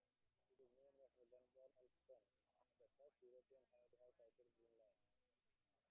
It is named after Gunnbjorn Ulfsson, the first European to have sighted Greenland.